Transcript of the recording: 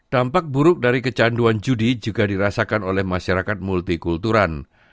tampak buruk dari kecanduan judi juga dirasakan oleh masyarakat multi kulturan